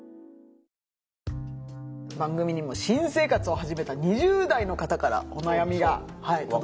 番組にも新生活をはじめた２０代の方からお悩みが届いてます。